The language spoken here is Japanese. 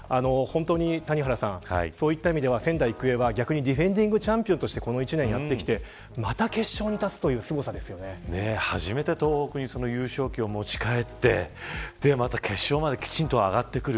谷原さん、そういった意味では仙台育英はディフェンディングチャンピオンとしてこの１年やってきてまた決勝に立つ初めで東北に優勝旗を持ち帰ってまた決勝まできちんと上がってくる。